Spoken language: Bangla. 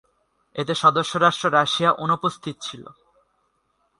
এতে সদস্য রাষ্ট্র রাশিয়া অনুপস্থিত ছিল।